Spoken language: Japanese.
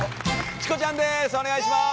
チコちゃんです